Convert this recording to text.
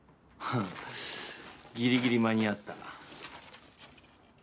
ギリギリ間に合った。